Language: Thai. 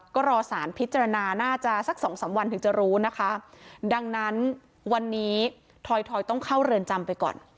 ก็รอสารพิจารณาน่าจะสักสองสามวันถึงจะรู้นะคะดังนั้นวันนี้ทอยทอยต้องเข้าเรือนจำไปก่อน